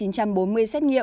tình hình xét nghiệm